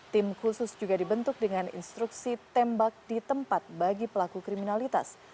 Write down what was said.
tim khusus juga dibentuk dengan instruksi tembak di tempat bagi pelaku kriminalitas